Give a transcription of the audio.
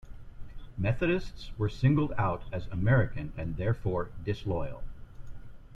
Methodists were singled out as American and therefore disloyal.